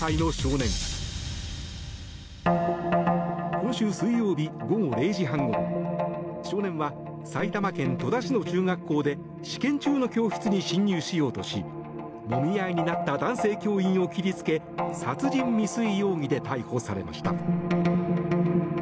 今週水曜日午後０時半ごろ少年は埼玉県戸田市の中学校で試験中の教室に侵入しようとしもみ合いになった男性教員を切りつけ殺人未遂容疑で逮捕されました。